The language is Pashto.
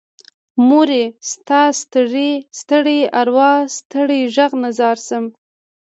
مورې ستا ستړي ارواه ستړې غږ نه ځار شمه زه